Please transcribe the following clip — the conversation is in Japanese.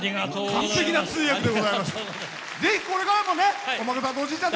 完璧な通訳でございます。